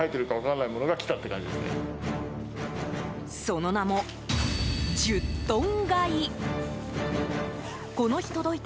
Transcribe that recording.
その名も、１０トン買い。